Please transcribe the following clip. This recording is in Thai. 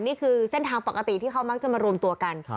นี่คือเส้นทางปกติที่เขามักจะมารวมตัวกัน